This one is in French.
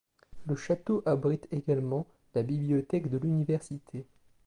Le château abrite également la bibliothèque de l'université.